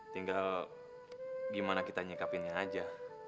tinggal gimana kita nyikapinnya aja